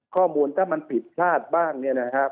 ข้อมูลถ้ามันผิดพลาดบ้างเนี่ยนะครับ